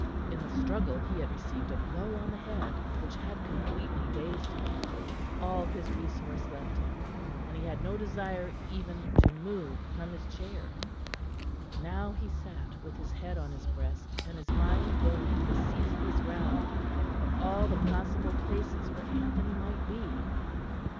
In the struggle he had received a blow on the head which had completely dazed him; all his resource left him; and he had no desire even to move from his chair. Now he sat, with his head on his breast, and his mind going the ceaseless round of all the possible places where Anthony might be.